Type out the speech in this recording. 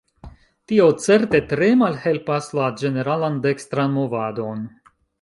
Tio, certe, tre malhelpas la ĝeneralan dekstran movadon.